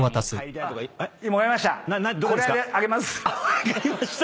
分かりました。